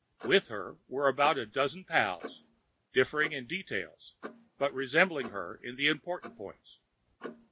With her were about a dozen pals, differing in details, but resembling her in the important points.